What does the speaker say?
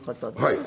はい。